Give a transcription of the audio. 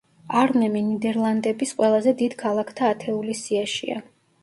არნემი ნიდერლანდების ყველაზე დიდ ქალაქთა ათეულის სიაშია.